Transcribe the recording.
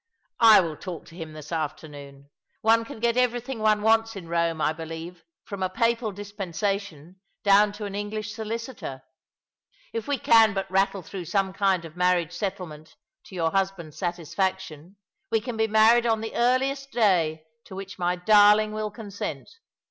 " I will talk to him this afternoon. One can get everything one wants in Eome, I believe, from a papal dispensation down to an English solicitor. If we can but rattle through some kind of marriage settlement to your husband's satisfac tion we can be married 'on the earliest day to which my darling will consent.